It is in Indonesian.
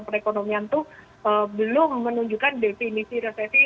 perekonomian itu belum menunjukkan definisi resesi